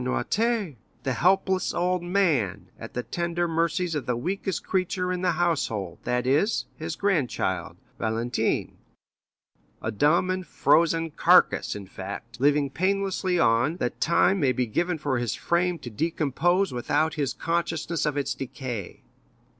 Noirtier_, the helpless old man, at the tender mercies of the weakest creature in the household, that is, his grandchild, Valentine; a dumb and frozen carcass, in fact, living painlessly on, that time may be given for his frame to decompose without his consciousness of its decay."